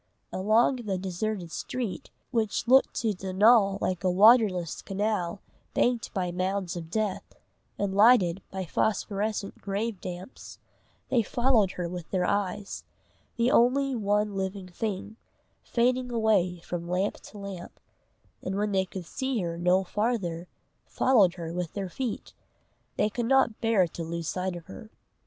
Along the deserted street, which looked to Donal like a waterless canal banked by mounds of death, and lighted by phosphorescent grave damps, they followed her with their eyes, the one living thing, fading away from lamp to lamp; and when they could see her no farther, followed her with their feet; they could not bear to lose sight of her.